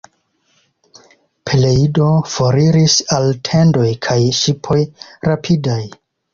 Peleido foriris al tendoj kaj ŝipoj rapidaj.